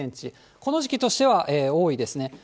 この時期としては多いですね。